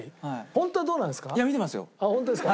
ホントはどうなんですか？